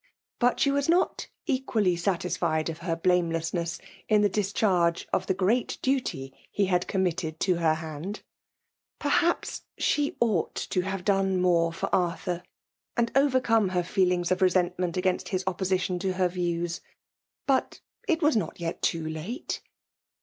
' But she was not equally sati^fiod of ' her blamelessoesd in the discharge of tibi igrMii>d\stf' he had 'committed ^ to her hand. 206 FfiMALE DOMWATiOff. Perhaps she ought to have done more for Arthur^ and overcome her feelings of reseet ment against his opposition to her views : but it was not yet too late.